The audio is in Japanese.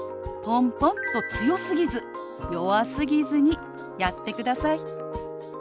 ポンポンと強すぎず弱すぎずにやってください。